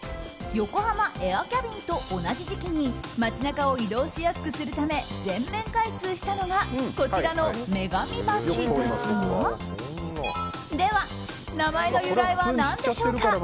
ＹＯＫＯＨＡＭＡＡＩＲＣＡＢＩＮと同じ時期に街中を移動しやすくするため全面開通したのがこちらの女神橋ですがでは、名前の由来は何でしょうか？